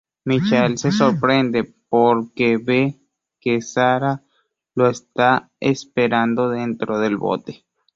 Michael se sorprende porque ve que Sara los está esperando dentro del bote.